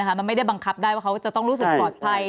มันไม่ได้บังคับได้ว่าเขาจะต้องรู้สึกปลอดภัย